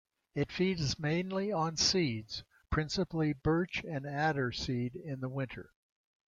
It feeds mainly on seeds, principally birch and alder seed in the winter.